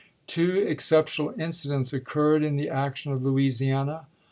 Two exceptional incidents occurred in the action of Louisiana.